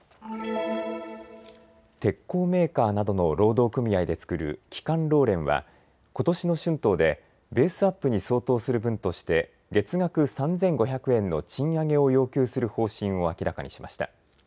鉄鋼メーカーなどの労働組合で作る基幹労連は、ことしの春闘で、ベースアップに相当する分として、月額３５００円の賃上げを要求する方針を明らかにしました。